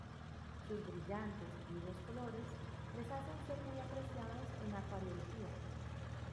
Sus brillantes y vivos colores les hacen ser muy apreciados en acuariología.